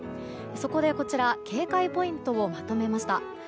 そこで警戒ポイントをまとめました。